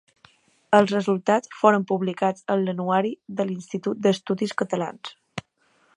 Els resultats foren publicats en l'Anuari de l'Institut d'Estudis Catalans.